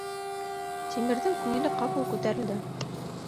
Тимерҙең күңеле ҡапыл күтәрелде.